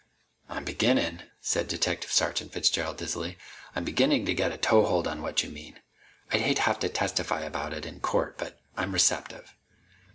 "I'm beginnin'," said Detective Sergeant Fitzgerald dizzily, "I'm beginnin' to get a toehold on what you mean. I'd hate to have to testify about it in court, but I'm receptive."